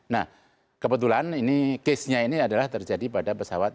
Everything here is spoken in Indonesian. nah kebetulan ini case nya ini adalah terjadi pada pesawat